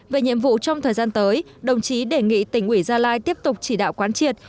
về nhiệm vụ trong thời gian tới đồng chí đề nghị tỉnh ủy gia lai tiếp tục chỉ đạo quán triệt